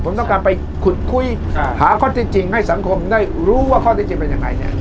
ผมต้องการไปขุดคุยหาข้อที่จริงให้สังคมได้รู้ว่าข้อที่จริงเป็นยังไงเนี่ย